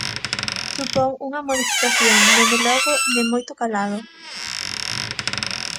Supón unha modificación, dende logo, de moito calado.